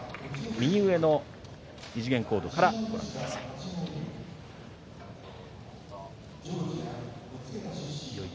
右上のＱＲコードからご覧ください。